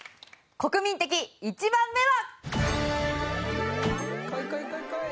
国民的１番目は。